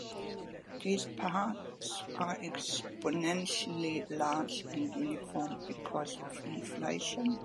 These parts are exponentially large and uniform, because of inflation.